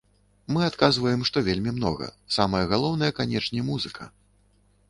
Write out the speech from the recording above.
Мы адказваем, што вельмі многа, самае галоўнае, канечне, музыка.